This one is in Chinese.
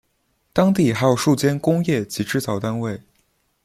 当地还有数间工业及制造单位。